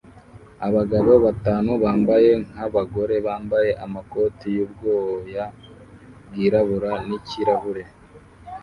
Abagabo batanu bambaye nkabagore bambaye amakoti yubwoya bwirabura nikirahure